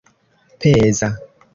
peza